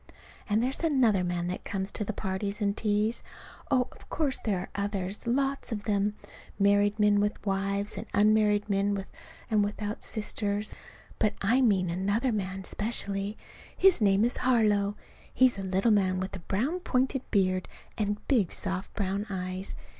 And there's another man that comes to the parties and teas; oh, of course there are others, lots of them, married men with wives, and unmarried men with and without sisters. But I mean another man specially. His name is Harlow. He's a little man with a brown pointed beard and big soft brown eyes.